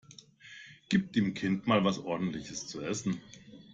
Gib dem Kind mal was Ordentliches zu essen!